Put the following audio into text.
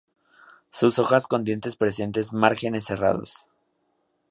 Sus hojas con dientes presentes márgenes serrados.